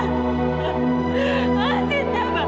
cinta bangun cinta bangun